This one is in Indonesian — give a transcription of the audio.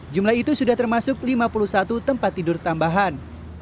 jumlah itu sudah termasuk lima puluh satu tempat tidur tambahan